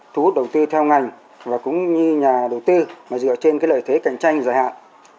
thu hút đầu tư theo ngành và cũng như nhà đầu tư mà dựa trên lợi thế cạnh tranh dài hạn